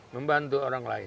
membantu orang lain